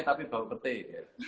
tapi bau petek